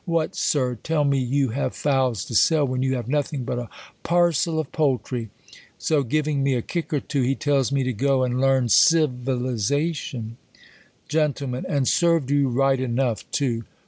What, sirrah ! tell me you have fowls to sell, when you have nothing but a parcel of poultry !" So, giving me a kick or two, he tells me to go and leaiTi civilization, I Gent. And served you right enough too.